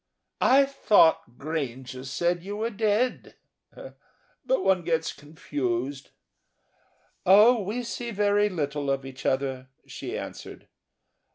"I thought Granger said you were dead ... but one gets confused...." "Oh, we see very little of each other," she answered.